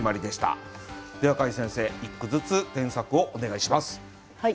では櫂先生１句ずつ添削をお願いします。